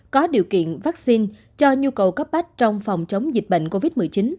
có điều kiện vaccine cho nhu cầu cấp bách trong phòng chống dịch bệnh covid một mươi chín